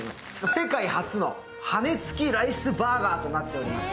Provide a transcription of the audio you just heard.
世界初の羽根つきライスバーガーとなっています。